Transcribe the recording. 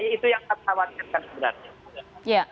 itu yang kami khawatirkan sebenarnya